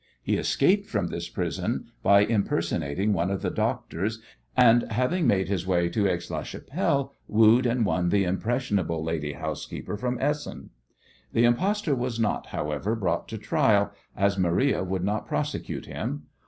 He escaped from this prison by impersonating one of the doctors, and, having made his way to Aix la Chapelle, wooed and won the impressionable lady housekeeper from Essen. The impostor was not, however, brought to trial, as Maria would not prosecute him.